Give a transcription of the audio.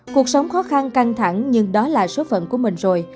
cuộc sống khó khăn căng thẳng nhưng đó là số phận của mình rồi